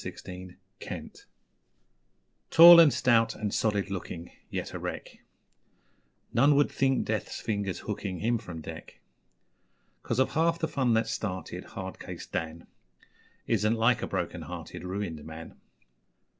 Dan, the Wreck Tall, and stout, and solid looking, Yet a wreck; None would think Death's finger's hooking Him from deck. Cause of half the fun that's started 'Hard case' Dan Isn't like a broken hearted, Ruined man.